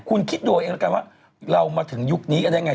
คุณคิดดูเองละกันว่าเรามาถึงยุคนี้กันได้ยังไง